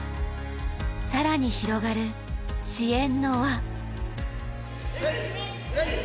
更に広がる支援の輪。